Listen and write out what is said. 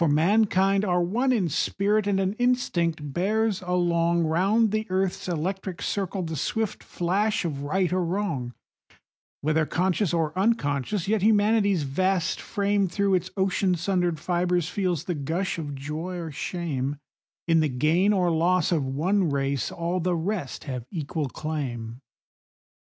For mankind are one in spirit, and an instinct bears along, Round the earth's electric circle, the swift flash of right or wrong; Whether conscious or unconscious, yet Humanity's vast frame Through its ocean sundered fibres feels the gush of joy or shame;— In the gain or loss of one race all the rest have equal claim.